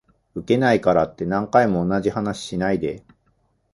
ウケないからって何回も同じ話しないで